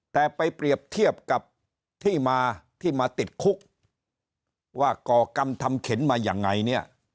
แต่ไปเปรียบเทียบกับที่มาที่มาติดคุกว่าก่อกรรมทำเข็นมายังไงเนี่ย